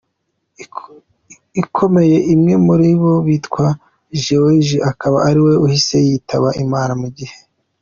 ikomeye, umwe muri bo witwa George akaba ari we uhise yitaba Imana, mu gihe.